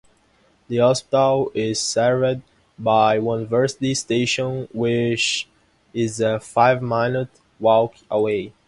The hospital is served by University station which is a five-minute walk away.